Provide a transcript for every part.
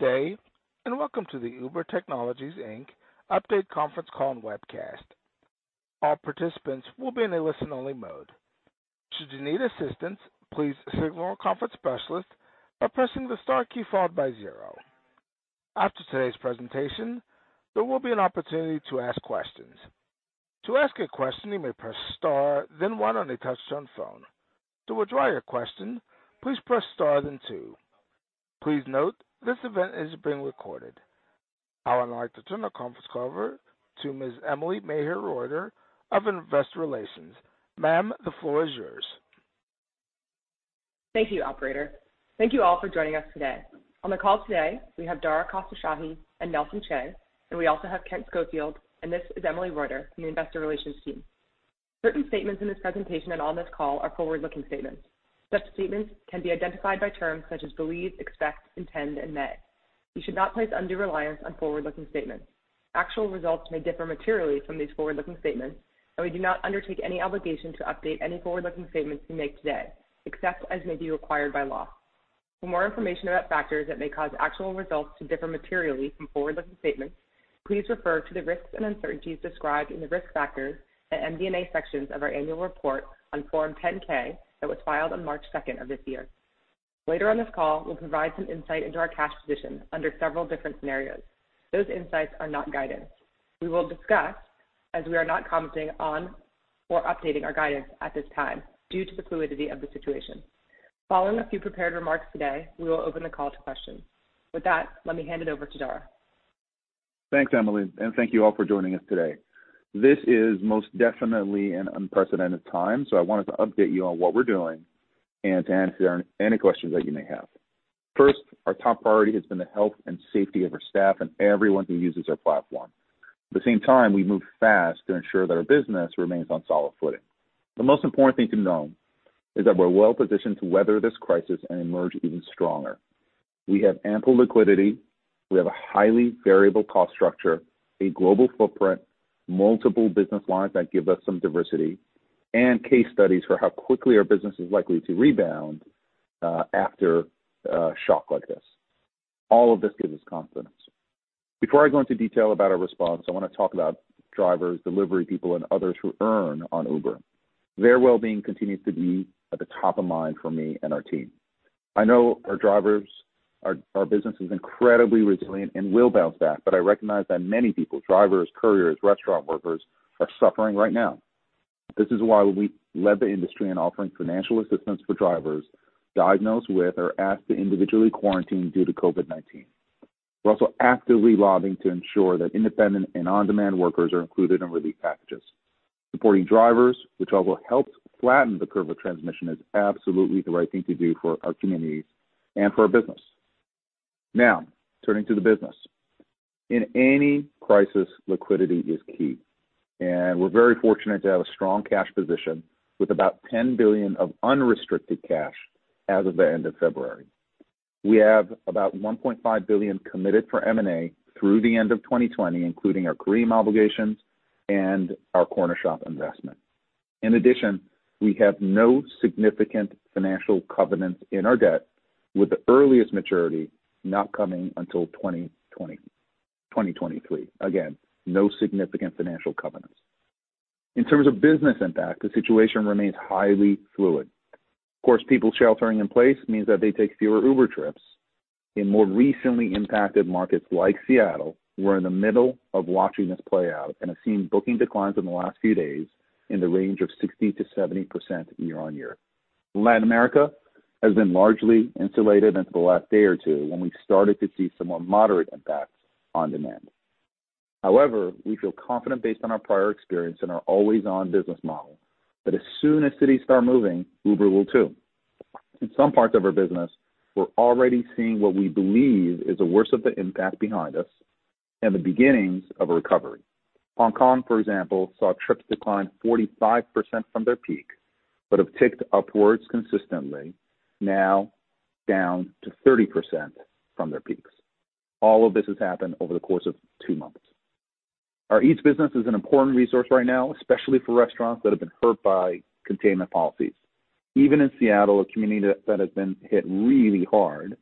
Good day, and welcome to the Uber Technologies, Inc. update conference call and webcast. All participants will be in a listen-only mode. Should you need assistance, please signal a conference specialist by pressing the star key followed by zero. After today's presentation, there will be an opportunity to ask questions. To ask a question, you may press star then one on a touch-tone phone. To withdraw your question, please press star then two. Please note this event is being recorded. I would like to turn the conference call over to Ms. Emily Maher Reuter of Investor Relations. Ma'am, the floor is yours. Thank you, operator. Thank you all for joining us today. On the call today, we have Dara Khosrowshahi and Nelson Chai, and we also have Kent Schofield, and this is Emily Reuter from the investor relations team. Certain statements in this presentation and on this call are forward-looking statements. Such statements can be identified by terms such as believe, expect, intend, and may. You should not place undue reliance on forward-looking statements. Actual results may differ materially from these forward-looking statements. We do not undertake any obligation to update any forward-looking statements we make today, except as may be required by law. For more information about factors that may cause actual results to differ materially from forward-looking statements, please refer to the risks and uncertainties described in the Risk Factors and MD&A sections of our annual report on Form 10-K that was filed on March second of this year. Later on this call, we'll provide some insight into our cash position under several different scenarios. Those insights are not guidance. We will discuss as we are not commenting on or updating our guidance at this time due to the fluidity of the situation. Following a few prepared remarks today, we will open the call to questions. With that, let me hand it over to Dara. Thanks, Emily, thank you all for joining us today. This is most definitely an unprecedented time. I wanted to update you on what we're doing and to answer any questions that you may have. First, our top priority has been the health and safety of our staff and everyone who uses our platform. At the same time, we've moved fast to ensure that our business remains on solid footing. The most important thing to know is that we're well positioned to weather this crisis and emerge even stronger. We have ample liquidity, we have a highly variable cost structure, a global footprint, multiple business lines that give us some diversity, and case studies for how quickly our business is likely to rebound after a shock like this. All of this gives us confidence. Before I go into detail about our response, I want to talk about drivers, delivery people, and others who earn on Uber. Their well-being continues to be at the top of mind for me and our team. I know our drivers, our business is incredibly resilient and will bounce back, but I recognize that many people, drivers, couriers, restaurant workers, are suffering right now. This is why we led the industry in offering financial assistance for drivers diagnosed with or asked to individually quarantine due to COVID-19. We're also actively lobbying to ensure that independent and on-demand workers are included in relief packages. Supporting drivers, which also helps flatten the curve of transmission, is absolutely the right thing to do for our communities and for our business. Now, turning to the business. In any crisis, liquidity is key, and we're very fortunate to have a strong cash position with about $10 billion of unrestricted cash as of the end of February. We have about $1.5 billion committed for M&A through the end of 2020, including our Careem obligations and our Cornershop investment. In addition, we have no significant financial covenants in our debt, with the earliest maturity not coming until 2023. Again, no significant financial covenants. In terms of business impact, the situation remains highly fluid. Of course, people sheltering in place means that they take fewer Uber trips. In more recently impacted markets like Seattle, we're in the middle of watching this play out and have seen booking declines in the last few days in the range of 60%-70% year-on-year. Latin America has been largely insulated until the last day or two when we started to see some more moderate impacts on demand. We feel confident based on our prior experience and our always-on business model that as soon as cities start moving, Uber will too. In some parts of our business, we're already seeing what we believe is the worst of the impact behind us and the beginnings of a recovery. Hong Kong, for example, saw trips decline 45% from their peak, but have ticked upwards consistently, now down to 30% from their peaks. All of this has happened over the course of two months. Our Uber Eats business is an important resource right now, especially for restaurants that have been hurt by containment policies. Even in Seattle, a community that has been hit really hard,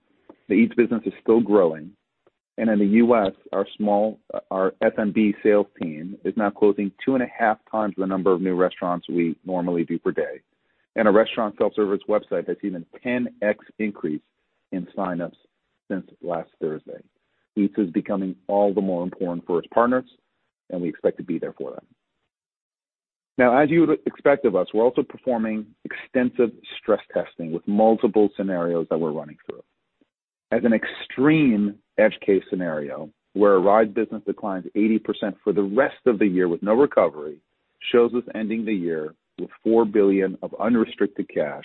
the Eats business is still growing. In the U.S., our SMB sales team is now closing two and a half times the number of new restaurants we normally do per day. Our restaurant self-service website has seen a 10X increase in sign-ups since last Thursday. Eats is becoming all the more important for its partners. We expect to be there for them. Now, as you would expect of us, we're also performing extensive stress testing with multiple scenarios that we're running through. As an extreme edge case scenario where our ride business declines 80% for the rest of the year with no recovery shows us ending the year with $4 billion of unrestricted cash,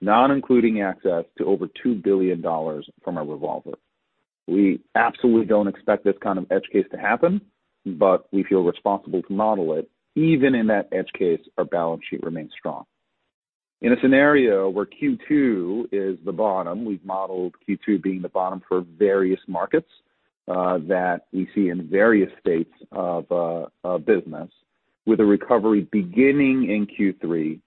not including access to over $2 billion from our revolver. We absolutely don't expect this kind of edge case to happen, but we feel responsible to model it. Even in that edge case, our balance sheet remains strong. In a scenario where Q2 is the bottom, we've modeled Q2 being the bottom for various markets that we see in various states of business, with a recovery beginning in Q3.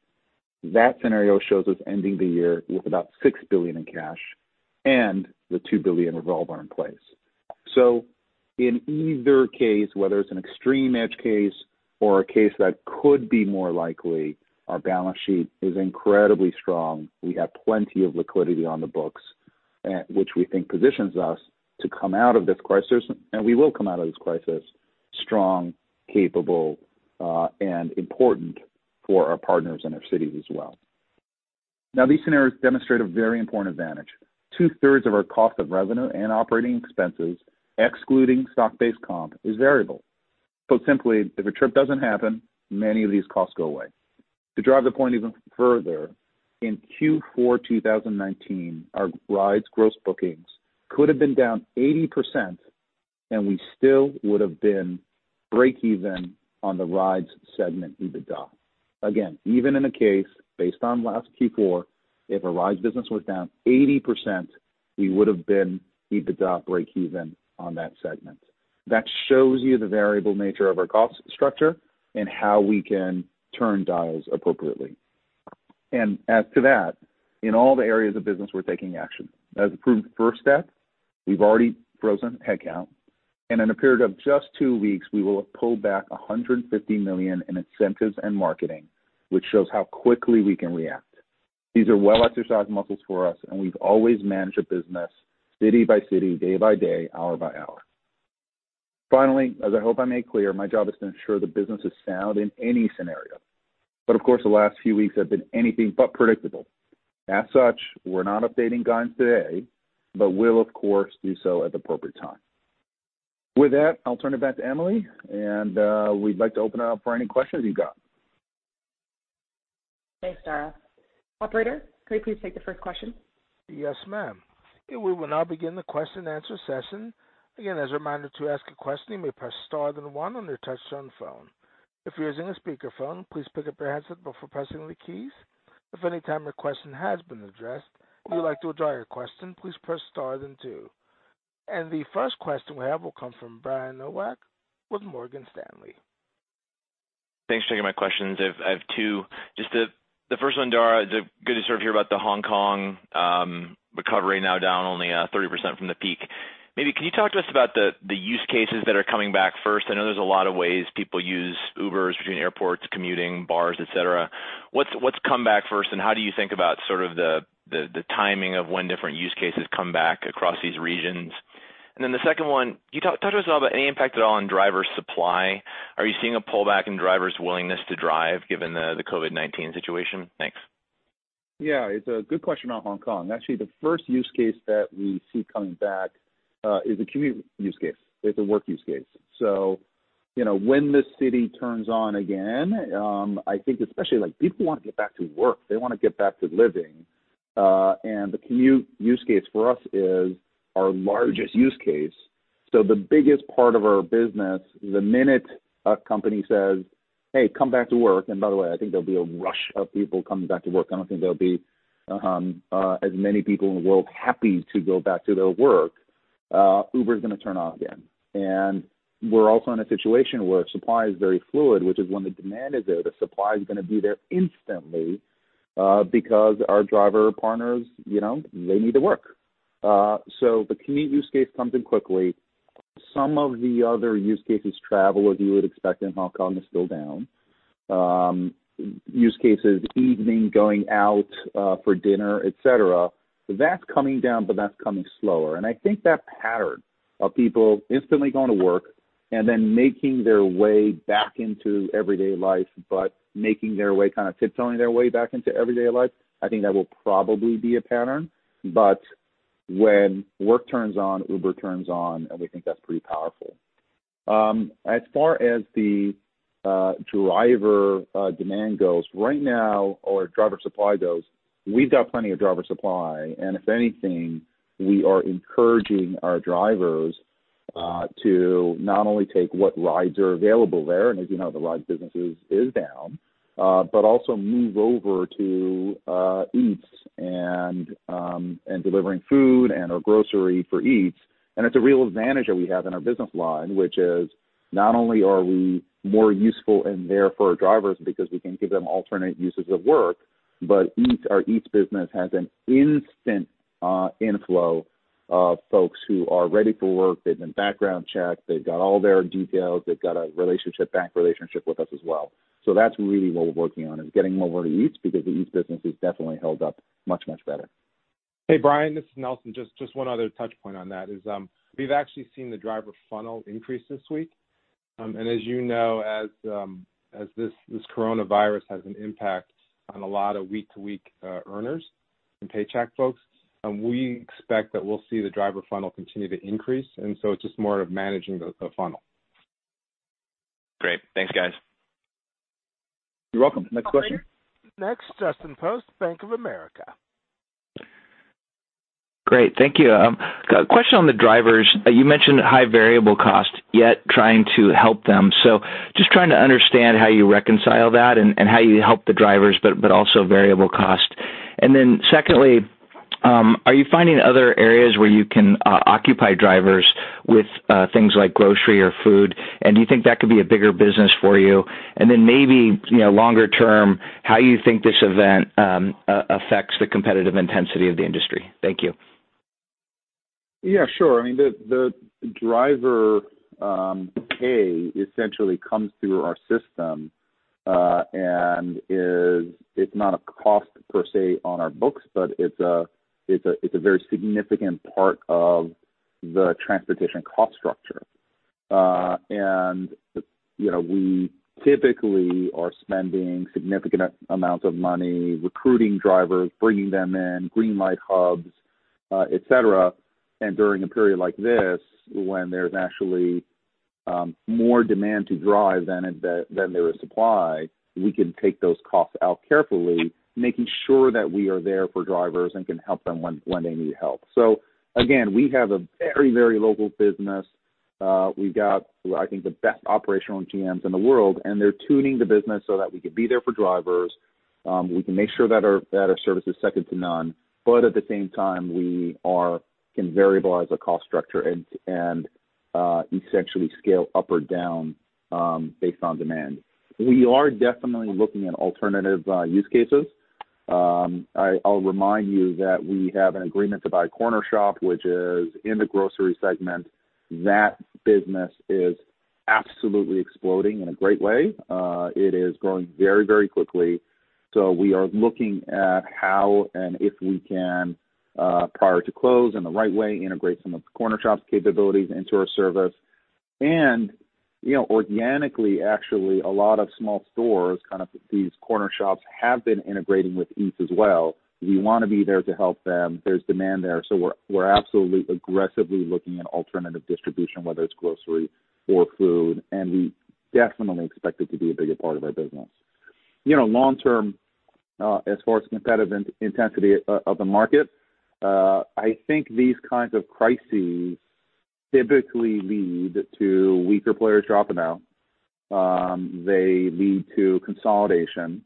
That scenario shows us ending the year with about $6 billion in cash and the $2 billion revolver in place. In either case, whether it's an extreme edge case or a case that could be more likely, our balance sheet is incredibly strong. We have plenty of liquidity on the books, which we think positions us to come out of this crisis, and we will come out of this crisis strong, capable, and important for our partners and our cities as well. These scenarios demonstrate a very important advantage. Two-thirds of our cost of revenue and operating expenses, excluding stock-based comp, is variable. Simply, if a trip doesn't happen, many of these costs go away. To drive the point even further, in Q4 2019, our rides gross bookings could have been down 80%, and we still would've been breakeven on the rides segment EBITDA. Again, even in a case based on last Q4, if our rides business was down 80%, we would've been EBITDA breakeven on that segment. That shows you the variable nature of our cost structure and how we can turn dials appropriately. As to that, in all the areas of business, we're taking action. As a proven first step, we've already frozen headcount, and in a period of just two weeks, we will have pulled back $150 million in incentives and marketing, which shows how quickly we can react. These are well-exercised muscles for us, and we've always managed a business city by city, day by day, hour by hour. Finally, as I hope I made clear, my job is to ensure the business is sound in any scenario. Of course, the last few weeks have been anything but predictable. As such, we're not updating guidance today, but will, of course, do so at the appropriate time. With that, I'll turn it back to Emily, and we'd like to open it up for any questions you've got. Thanks, Dara. Operator, could we please take the first question? Yes, ma'am. We will now begin the question-and-answer session. Again, as a reminder, to ask a question, you may press star then one on your touchtone phone. If you're using a speakerphone, please pick up your headset before pressing the keys. If at any time your question has been addressed, or you'd like to withdraw your question, please press star then two. The first question we have will come from Brian Nowak with Morgan Stanley. Thanks for taking my questions. I have two. Just the first one, Dara, good to sort of hear about the Hong Kong recovery now down only 30% from the peak. Maybe can you talk to us about the use cases that are coming back first? I know there's a lot of ways people use Ubers between airports, commuting, bars, et cetera. What's come back first, and how do you think about sort of the timing of when different use cases come back across these regions? The second one, can you talk to us about any impact at all on driver supply? Are you seeing a pullback in drivers' willingness to drive given the COVID-19 situation? Thanks. Yeah, it's a good question on Hong Kong. Actually, the first use case that we see coming back, is a commute use case. It's a work use case. When this city turns on again, I think especially like people want to get back to work, they want to get back to living. The commute use case for us is our largest use case. The biggest part of our business, the minute a company says, "Hey, come back to work," and by the way, I think there'll be a rush of people coming back to work. I don't think there'll be as many people in the world happy to go back to their work. Uber's gonna turn on again. We're also in a situation where supply is very fluid, which is when the demand is there, the supply is going to be there instantly, because our driver partners, they need to work. The commute use case comes in quickly. Some of the other use cases, travel, as you would expect in Hong Kong, is still down. Use cases, evening, going out for dinner, et cetera, that is coming down, but that is coming slower. I think that pattern of people instantly going to work and then making their way back into everyday life, but making their way, kind of tiptoeing their way back into everyday life, I think that will probably be a pattern. When work turns on, Uber turns on, and we think that is pretty powerful. As far as the driver demand goes, right now or driver supply goes, we have got plenty of driver supply. If anything, we are encouraging our drivers to not only take what rides are available there, and as you know, the rides business is down, but also move over to Eats and delivering food and/or grocery for Eats. It's a real advantage that we have in our business line, which is not only are we more useful and there for our drivers because we can give them alternate uses of work, but our Eats business has an instant inflow of folks who are ready for work. They've been background checked, they've got all their details, they've got a relationship, bank relationship with us as well. That's really what we're working on, is getting more to Eats, because the Eats business has definitely held up much, much better. Hey, Brian, this is Nelson. Just one other touch point on that is, we've actually seen the driver funnel increase this week. As you know, as this Coronavirus has an impact on a lot of week-to-week earners and paycheck folks, we expect that we'll see the driver funnel continue to increase. It's just more of managing the funnel. Great. Thanks, guys. You're welcome. Next question. Next, Justin Post, Bank of America. Great. Thank you. Got a question on the drivers. You mentioned high variable cost, yet trying to help them. Just trying to understand how you reconcile that and how you help the drivers, but also variable cost. Secondly, are you finding other areas where you can occupy drivers with things like grocery or food? Do you think that could be a bigger business for you? Maybe, longer-term, how you think this event affects the competitive intensity of the industry? Thank you. Sure. I mean, the driver pay essentially comes through our system. It's not a cost per se on our books, but it's a very significant part of the transportation cost structure. We typically are spending significant amounts of money recruiting drivers, bringing them in Greenlight Hubs, et cetera. During a period like this, when there's actually more demand to drive than there is supply, we can take those costs out carefully, making sure that we are there for drivers and can help them when they need help. Again, we have a very local business. We've got, I think, the best operational GMs in the world, and they're tuning the business so that we can be there for drivers, we can make sure that our service is second to none, but at the same time, we can variabilize the cost structure and essentially scale up or down based on demand. We are definitely looking at alternative use cases. I'll remind you that we have an agreement to buy Cornershop, which is in the grocery segment. That business is absolutely exploding in a great way. It is growing very quickly. We are looking at how, and if we can, prior to close in the right way, integrate some of Cornershop's capabilities into our service. Organically, actually, a lot of small stores, these Cornershops, have been integrating with Eats as well. We want to be there to help them. There's demand there. We're absolutely aggressively looking at alternative distribution, whether it's grocery or food, and we definitely expect it to be a bigger part of our business. Long-term, as far as competitive intensity of the market, I think these kinds of crises typically lead to weaker players dropping out. They lead to consolidation,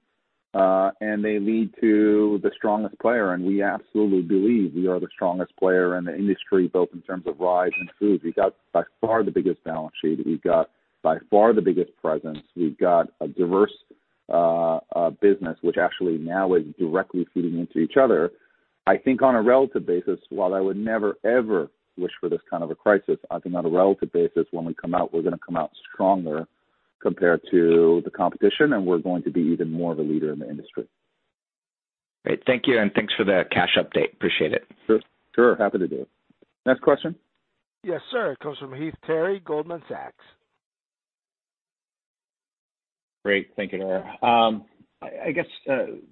and they lead to the strongest player, and we absolutely believe we are the strongest player in the industry, both in terms of rides and food. We've got by far the biggest balance sheet. We've got by far the biggest presence. We've got a diverse business, which actually now is directly feeding into each other. I think on a relative basis, while I would never, ever wish for this kind of a crisis, I think on a relative basis, when we come out, we're going to come out stronger compared to the competition, and we're going to be even more of a leader in the industry. Great. Thank you, and thanks for the cash update. Appreciate it. Sure. Happy to do it. Next question. Yes, sir. It comes from Heath Terry, Goldman Sachs. Great. Thank you, Dara. I guess,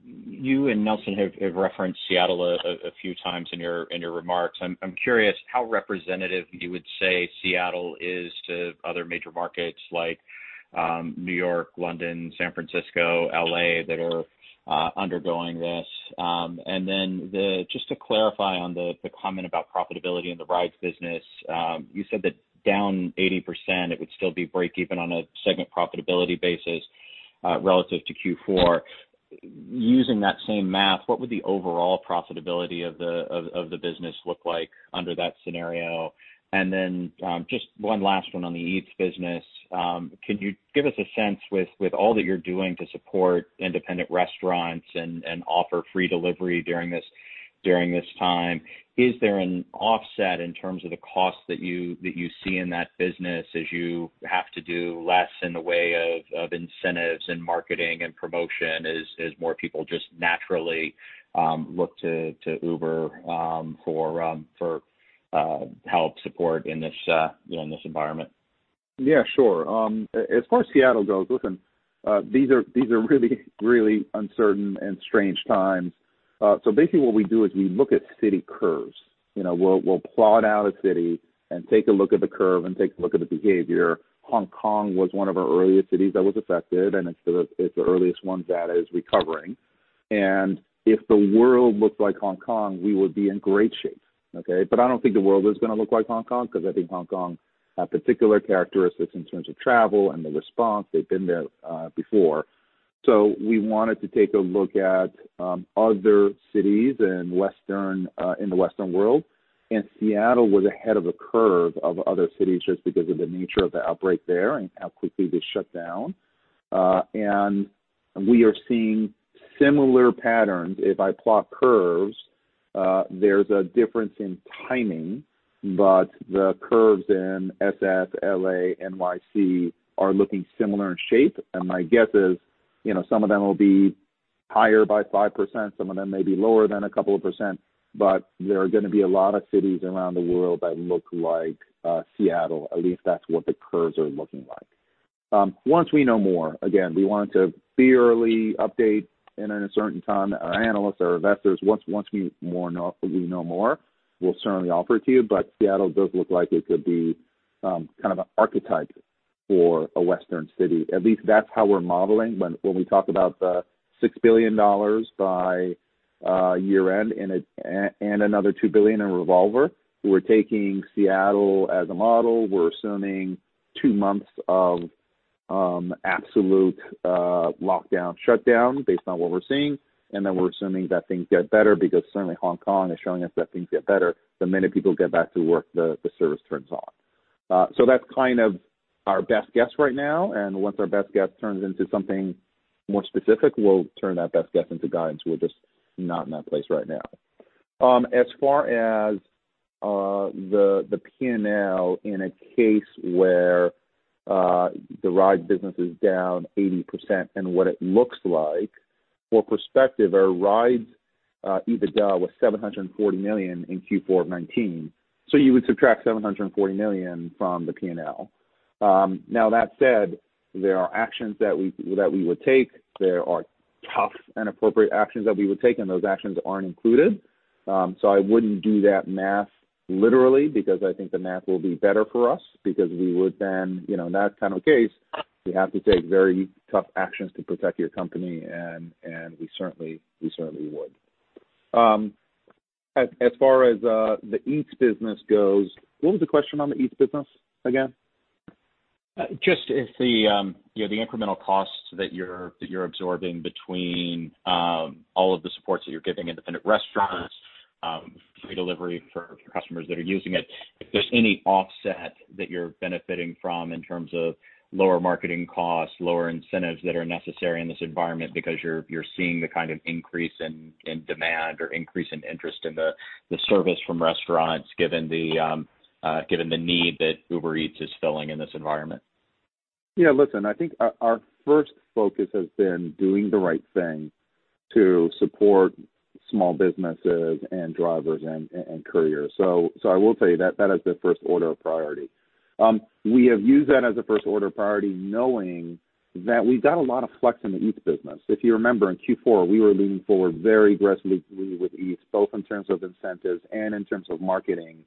you and Nelson have referenced Seattle a few times in your remarks. I'm curious how representative you would say Seattle is to other major markets like New York, London, San Francisco, L.A., that are undergoing this. Just to clarify on the comment about profitability in the rides business, you said that down 80%, it would still be breakeven on a segment profitability basis relative to Q4. Using that same math, what would the overall profitability of the business look like under that scenario? Just one last one on the Eats business. Can you give us a sense with all that you're doing to support independent restaurants and offer free delivery during this time, is there an offset in terms of the cost that you see in that business as you have to do less in the way of incentives and marketing and promotion as more people just naturally look to Uber for help support in this environment? Yeah, sure. As far as Seattle goes, listen, these are really uncertain and strange times. Basically what we do is we look at city curves. We'll plot out a city and take a look at the curve and take a look at the behavior. Hong Kong was one of our earliest cities that was affected, and it's the earliest one that is recovering. If the world looked like Hong Kong, we would be in great shape. Okay. I don't think the world is going to look like Hong Kong, because I think Hong Kong had particular characteristics in terms of travel and the response. They've been there before. We wanted to take a look at other cities in the Western world, and Seattle was ahead of the curve of other cities just because of the nature of the outbreak there and how quickly they shut down. We are seeing similar patterns. If I plot curves, there's a difference in timing, but the curves in SF, L.A., N.Y.C. are looking similar in shape. My guess is some of them will be higher by 5%, some of them may be lower than a couple of percent, but there are going to be a lot of cities around the world that look like Seattle. At least that's what the curves are looking like. Once we know more, again, we wanted to be early, update in an uncertain time, our analysts, our investors. Once we know more, we'll certainly offer it to you. Seattle does look like it could be kind of an archetype for a Western city. At least that's how we're modeling. When we talk about the $6 billion by year-end and another $2 billion in revolver, we're taking Seattle as a model. We're assuming two months of absolute lockdown, shutdown based on what we're seeing, and then we're assuming that things get better because certainly Hong Kong is showing us that things get better. The minute people get back to work, the service turns on. That's kind of our best guess right now, and once our best guess turns into something more specific, we'll turn that best guess into guidance. We're just not in that place right now. As far as the P&L in a case where the ride business is down 80% and what it looks like, for perspective, our rides EBITDA was $740 million in Q4 of 2019. You would subtract $740 million from the P&L. That said, there are actions that we would take. There are tough and appropriate actions that we would take, and those actions aren't included. I wouldn't do that math literally because I think the math will be better for us because we would then, in that kind of case, you have to take very tough actions to protect your company and we certainly would. As far as the Eats business goes, what was the question on the Eats business again? Just if the incremental costs that you're absorbing between all of the supports that you're giving independent restaurants, free delivery for customers that are using it, if there's any offset that you're benefiting from in terms of lower marketing costs, lower incentives that are necessary in this environment because you're seeing the kind of increase in demand or increase in interest in the service from restaurants given the need that Uber Eats is filling in this environment? Yeah, listen, I think our first focus has been doing the right thing to support small businesses and drivers and couriers. I will tell you that is the first order of priority. We have used that as a first order of priority, knowing that we've got a lot of flex in the Eats business. If you remember, in Q4, we were leaning forward very aggressively with Eats, both in terms of incentives and in terms of marketing.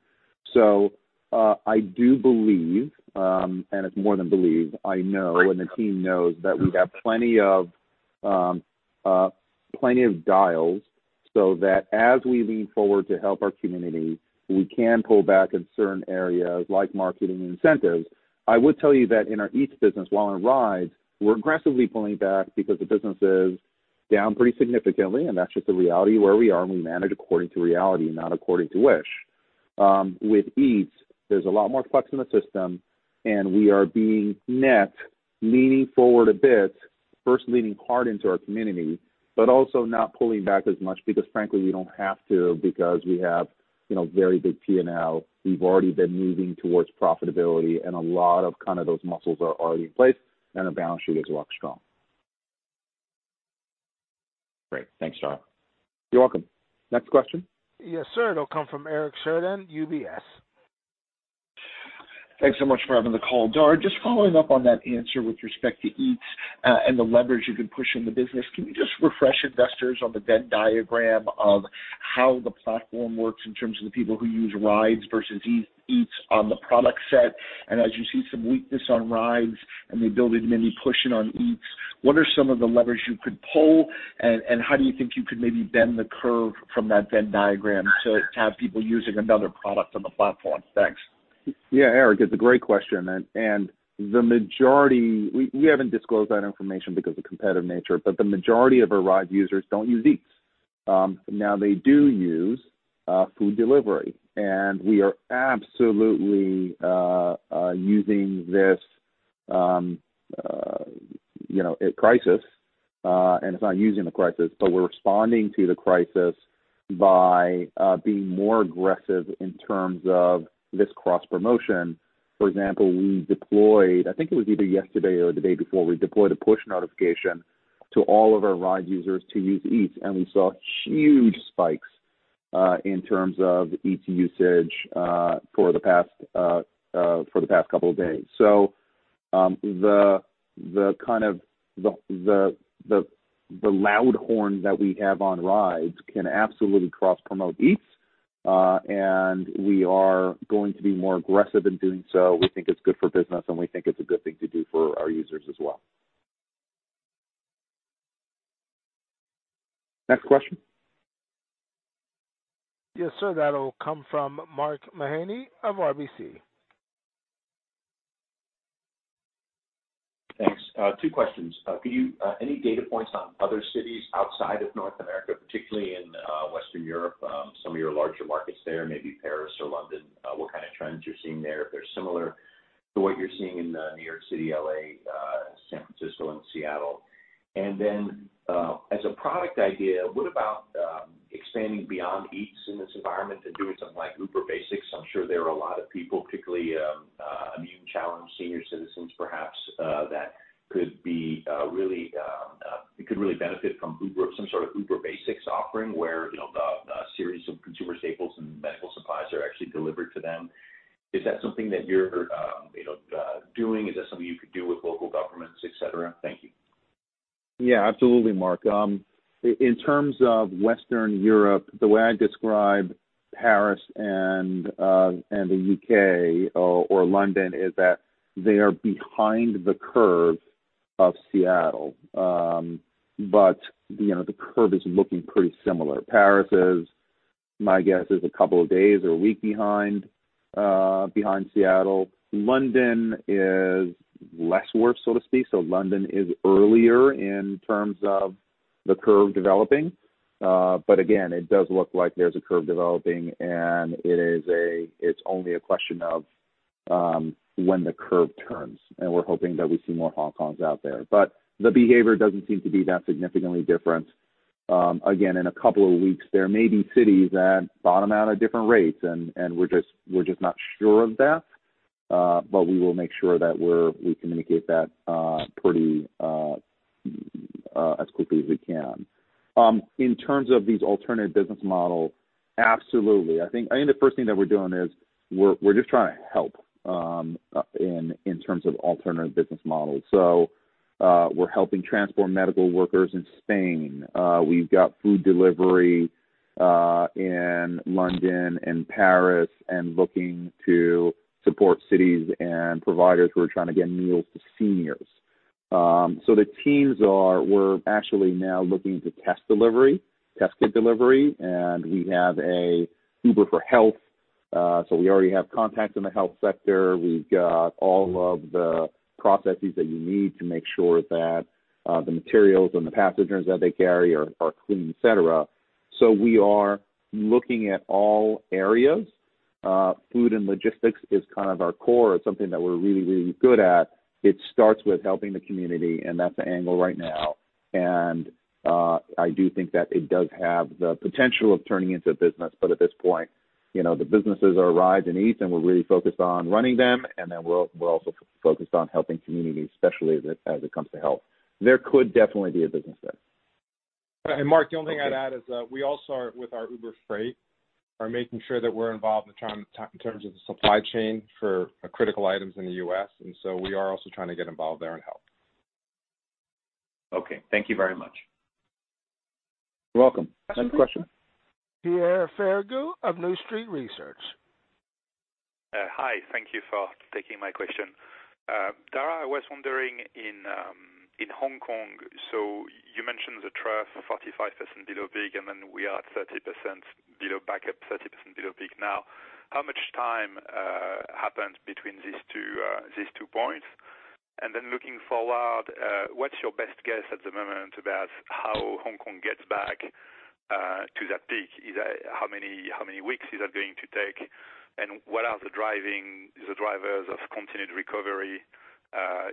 I do believe, and it's more than believe, I know, and the team knows that we have plenty of dials, so that as we lean forward to help our community, we can pull back in certain areas like marketing and incentives. I would tell you that in our Eats business, while in Rides, we're aggressively pulling back because the business is down pretty significantly, and that's just the reality where we are, and we manage according to reality and not according to wish. With Eats, there's a lot more flex in the system, and we are being net leaning forward a bit, first leaning hard into our community, but also not pulling back as much because frankly, we don't have to because we have very big P&L. We've already been moving towards profitability and a lot of those muscles are already in place, and our balance sheet is rock strong. Great. Thanks, Dara. You're welcome. Next question? Yes, sir. It'll come from Eric Sheridan, UBS. Thanks so much for having the call. Dara, just following up on that answer with respect to Eats and the leverage you can push in the business, can you just refresh investors on the Venn diagram of how the platform works in terms of the people who use Rides versus Eats on the product set? As you see some weakness on Rides and maybe pushing on Eats, what are some of the levers you could pull, and how do you think you could maybe bend the curve from that Venn diagram to have people using another product on the platform? Thanks. Yeah, Eric, it's a great question. The majority, we haven't disclosed that information because of competitive nature, but the majority of our Ride users don't use Eats. Now, they do use food delivery, and we are absolutely using this crisis, and it's not using the crisis, but we're responding to the crisis by being more aggressive in terms of this cross-promotion. For example, we deployed, I think it was either yesterday or the day before, we deployed a push notification to all of our Ride users to use Eats, and we saw huge spikes in terms of Eats usage, for the past couple of days. The loud horn that we have on Rides can absolutely cross-promote Eats. We are going to be more aggressive in doing so. We think it's good for business, and we think it's a good thing to do for our users as well. Next question? Yes, sir. That'll come from Mark Mahaney of RBC. Thanks. Two questions. Any data points on other cities outside of North America, particularly in Western Europe, some of your larger markets there, maybe Paris or London, what kind of trends you're seeing there, if they're similar to what you're seeing in New York City, L.A., San Francisco, and Seattle? As a product idea, what about expanding beyond Eats in this environment and doing something like Uber Basics? I'm sure there are a lot of people, particularly immune-challenged senior citizens perhaps, that could really benefit from some sort of Uber Basics offering where a series of consumer staples and medical supplies are actually delivered to them. Is that something that you're doing? Is that something you could do with local governments, et cetera? Thank you. Yeah, absolutely, Mark. In terms of Western Europe, the way I describe Paris and the U.K. or London is that they are behind the curve of Seattle. The curve is looking pretty similar. Paris is, my guess is, a couple of days or a week behind Seattle. London is less worse, so to speak. London is earlier in terms of the curve developing. Again, it does look like there's a curve developing, and it's only a question of when the curve turns, and we're hoping that we see more Hong Kong's out there. The behavior doesn't seem to be that significantly different. Again, in a couple of weeks, there may be cities that bottom out at different rates, and we're just not sure of that. We will make sure that we communicate that as quickly as we can. In terms of these alternative business models, absolutely. I think the first thing that we're doing is we're just trying to help in terms of alternative business models. We're helping transport medical workers in Spain. We've got food delivery in London and Paris, and looking to support cities and providers who are trying to get meals to seniors. The teams, we're actually now looking into test delivery, test kit delivery, and we have Uber Health. We already have contacts in the health sector. We've got all of the processes that you need to make sure that the materials and the passengers that they carry are clean, et cetera. We are looking at all areas. Food and logistics is kind of our core. It's something that we're really good at. It starts with helping the community, and that's the angle right now. I do think that it does have the potential of turning into a business. At this point, the businesses are Rides and Eats, and we're really focused on running them. We're also focused on helping communities, especially as it comes to health. There could definitely be a business there. Mark, the only thing I'd add is we also, with our Uber Freight, are making sure that we're involved in terms of the supply chain for critical items in the U.S. We are also trying to get involved there and help. Okay. Thank you very much. You're welcome. Next question. Pierre Ferragu of New Street Research. Hi. Thank you for taking my question. Dara, I was wondering in Hong Kong, you mentioned the trough, 45% below peak, then we are 30% below back up, 30% below peak now. How much time happened between these two points? Looking forward, what's your best guess at the moment about how Hong Kong gets back to that peak? How many weeks is that going to take? What are the drivers of continued recovery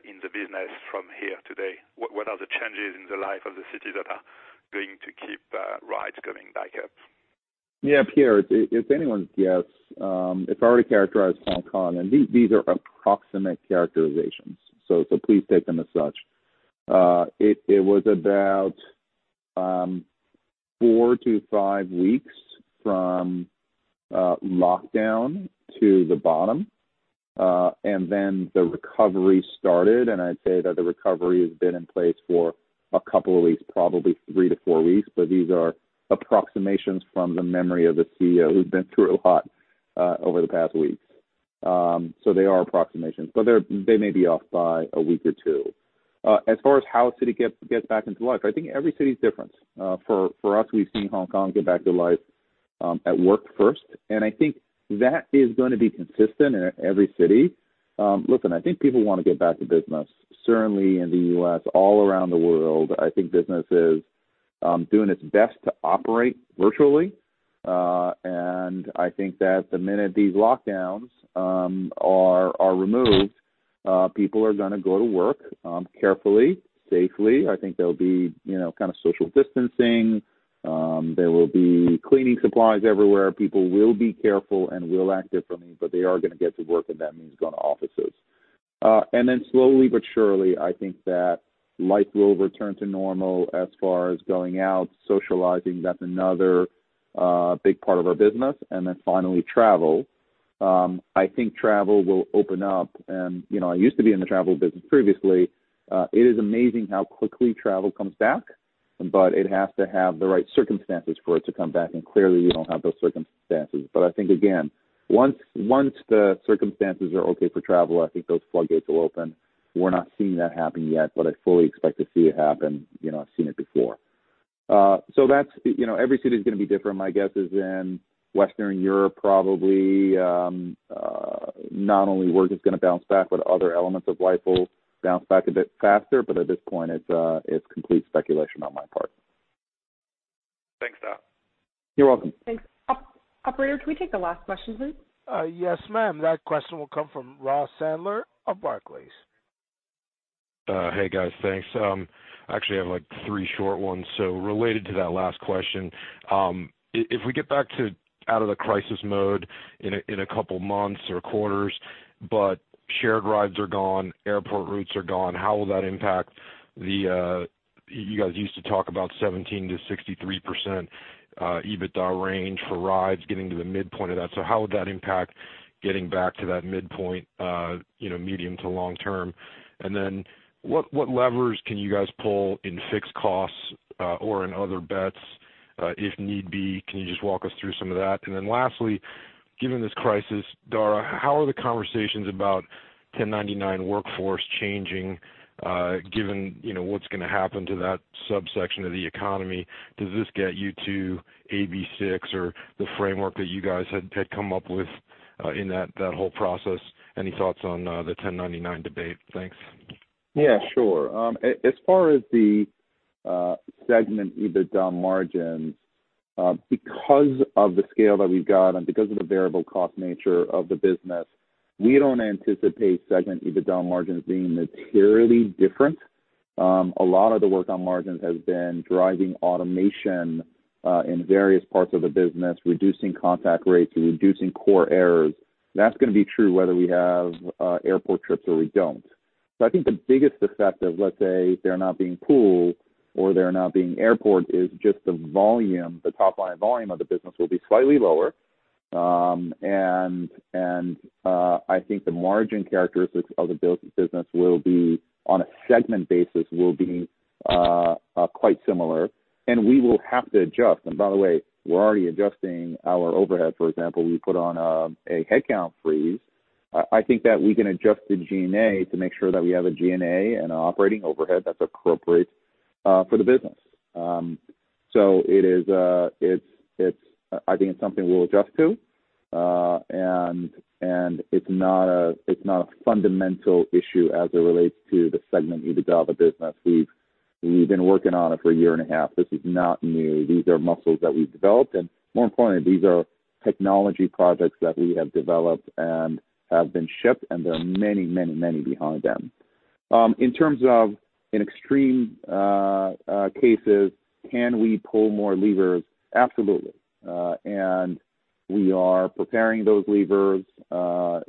in the business from here today? What are the changes in the life of the city that are going to keep rides coming back up? Yeah, Pierre, it's anyone's guess. If I were to characterize Hong Kong, and these are approximate characterizations, so please take them as such. It was about four to five weeks from lockdown to the bottom, and then the recovery started, and I'd say that the recovery has been in place for a couple of weeks, probably three to four weeks, but these are approximations from the memory of a CEO who's been through a lot over the past weeks. They are approximations, but they may be off by a week or two. As far as how a city gets back into life, I think every city is different. For us, we've seen Hong Kong get back to life at work first, and I think that is going to be consistent in every city. Listen, I think people want to get back to business. Certainly in the U.S., all around the world, I think business is doing its best to operate virtually. I think that the minute these lockdowns are removed, people are going to go to work carefully, safely. I think there'll be social distancing. There will be cleaning supplies everywhere. People will be careful and will act differently, but they are going to get to work, and that means going to offices. Slowly but surely, I think that life will return to normal as far as going out, socializing. That's another big part of our business. Finally, travel. I think travel will open up and I used to be in the travel business previously. It is amazing how quickly travel comes back, but it has to have the right circumstances for it to come back, and clearly, we don't have those circumstances. I think, again, once the circumstances are okay for travel, I think those floodgates will open. We're not seeing that happen yet, but I fully expect to see it happen. I've seen it before. Every city is going to be different. My guess is in Western Europe, probably, not only we're just going to bounce back, but other elements of life will bounce back a bit faster. At this point, it's complete speculation on my part. Thanks, Dara. You're welcome. Thanks. Operator, can we take the last question then? Yes, ma'am. That question will come from Ross Sandler of Barclays. Hey, guys. Thanks. I actually have three short ones. Related to that last question, if we get back to out of the crisis mode in a couple of months or quarters, but shared rides are gone, airport routes are gone, how will that impact? You guys used to talk about 17%-63% EBITDA range for rides getting to the midpoint of that. How would that impact getting back to that midpoint medium to long-term? What levers can you guys pull in fixed costs or in other bets if need be? Can you just walk us through some of that? Lastly, given this crisis, Dara, how are the conversations about 1099 workforce changing given what's going to happen to that subsection of the economy? Does this get you to AB6 or the framework that you guys had come up with in that whole process? Any thoughts on the 1099 debate? Thanks. Yeah, sure. As far as the segment EBITDA margin, because of the scale that we've got and because of the variable cost nature of the business, we don't anticipate segment EBITDA margins being materially different. A lot of the work on margins has been driving automation in various parts of the business, reducing contact rates, reducing core errors. That's going to be true whether we have airport trips or we don't. I think the biggest effect of, let's say, they're not being pooled or they're not being airport is just the volume. The top-line volume of the business will be slightly lower. I think the margin characteristics of the business will be, on a segment basis, quite similar, and we will have to adjust. By the way, we're already adjusting our overhead. For example, we put on a headcount freeze. I think that we can adjust the G&A to make sure that we have a G&A and an operating overhead that's appropriate for the business. I think it's something we'll adjust to. It's not a fundamental issue as it relates to the segment EBITDA of the business. We've been working on it for a year and a half. This is not new. These are muscles that we've developed, and more importantly, these are technology projects that we have developed and have been shipped, and there are many behind them. In terms of in extreme cases, can we pull more levers? Absolutely. We are preparing those levers. I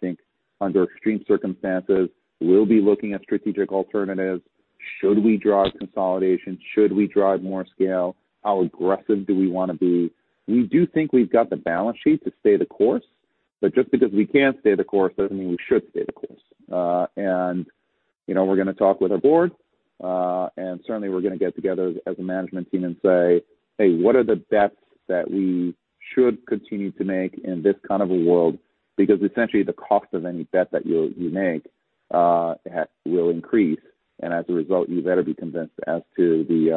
think under extreme circumstances, we'll be looking at strategic alternatives. Should we drive consolidation? Should we drive more scale? How aggressive do we want to be? We do think we've got the balance sheet to stay the course. Just because we can stay the course doesn't mean we should stay the course. We're going to talk with our board, and certainly, we're going to get together as a management team and say, "Hey, what are the bets that we should continue to make in this kind of a world?" Because essentially, the cost of any bet that you make will increase, and as a result, you better be convinced as to the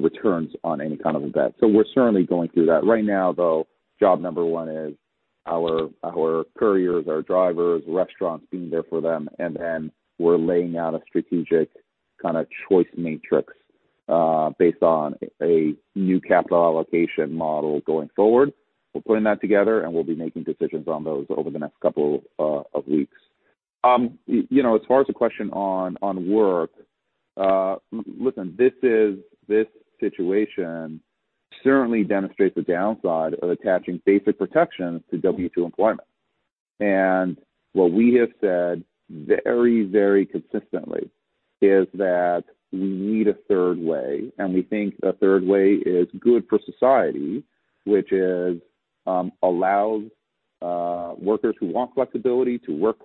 returns on any kind of a bet. We're certainly going through that. Right now, though, job number one is our couriers, our drivers, restaurants, being there for them. We're laying out a strategic choice matrix based on a new capital allocation model going forward. We're putting that together, and we'll be making decisions on those over the next couple of weeks. As far as the question on work, listen, this situation certainly demonstrates the downside of attaching basic protections to W2 employment. What we have said very consistently is that we need a third way, and we think the third way is good for society, which allows workers who want flexibility to work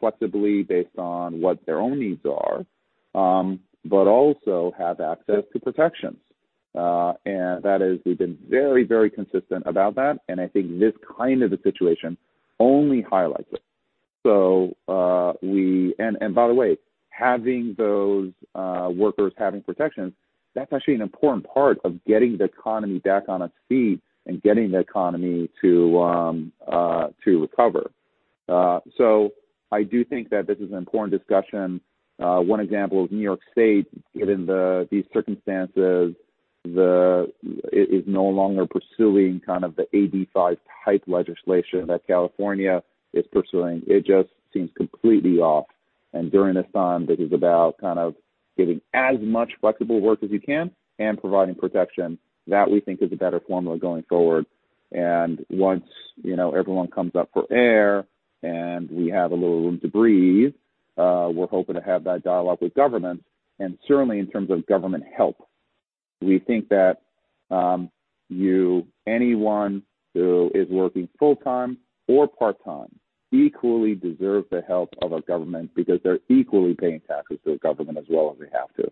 flexibly based on what their own needs are, but also have access to protections. We've been very consistent about that, and I think this kind of a situation only highlights it. By the way, having those workers having protections, that's actually an important part of getting the economy back on its feet and getting the economy to recover. I do think that this is an important discussion. One example is New York State. Given these circumstances, it is no longer pursuing the AB5-type legislation that California is pursuing. It just seems completely off. During this time, this is about giving as much flexible work as you can and providing protection. That we think is a better formula going forward. Once everyone comes up for air and we have a little room to breathe, we're hoping to have that dialogue with government. Certainly, in terms of government help, we think that anyone who is working full-time or part-time equally deserves the help of our government because they're equally paying taxes to the government as well as they have to.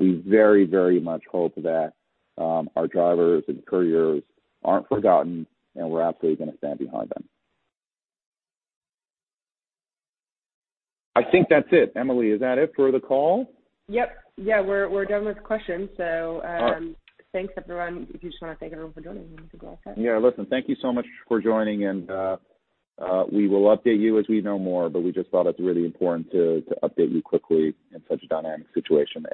We very much hope that our drivers and couriers aren't forgotten, and we're absolutely going to stand behind them. I think that's it. Emily, is that it for the call? Yep. Yeah, we're done with questions. All right. Thanks, everyone. If you just want to thank everyone for joining, you can go ahead. Yeah. Listen, thank you so much for joining, and we will update you as we know more, but we just thought it was really important to update you quickly in such a dynamic situation.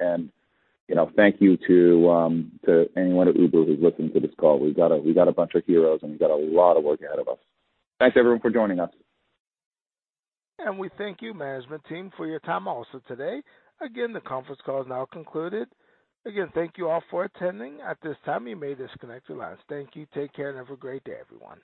Thank you to anyone at Uber who's listening to this call. We got a bunch of heroes, and we got a lot of work ahead of us. Thanks, everyone, for joining us. We thank you, management team, for your time also today. The conference call is now concluded. Thank you all for attending. At this time, you may disconnect your lines. Thank you. Take care, and have a great day, everyone.